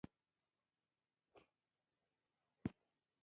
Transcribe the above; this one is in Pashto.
د محمد شاکر کارګر تر نظر لاندی کمیسیون و.